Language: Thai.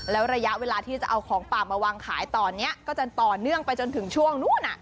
แล้วระยะเวลาที่จะเอาของป่ามาวางขายตอนนี้ก็จะต่อเนื่องไปจนถึงช่วงนู้น